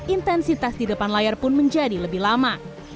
intensitas di depan layar pun menjadi lebih lama